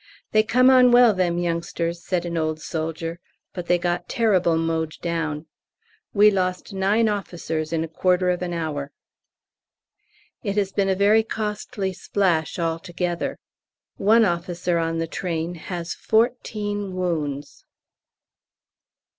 "They come on well, them youngsters," said an old soldier, "but they got terrible mowed down. We lost nine officers in a quarter of an hour." It has been a very costly splash altogether. One officer on the train has fourteen wounds.